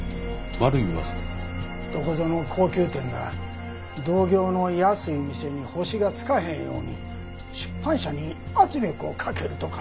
どこぞの高級店が同業の安い店に星がつかへんように出版社に圧力をかけるとか。